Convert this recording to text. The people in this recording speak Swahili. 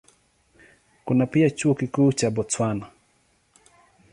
Kuna pia Chuo Kikuu cha Botswana.